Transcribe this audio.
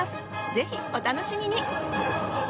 ぜひお楽しみに！